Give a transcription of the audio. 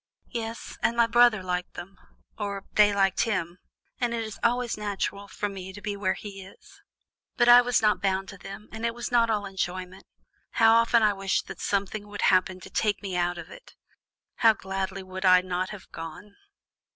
"Yes, and my brother liked them or they liked him and it is always natural for me to be where he is. But I was not bound to them, and it was not all enjoyment. How often I wished that something would happen to take me out of it! How gladly would I not have gone!"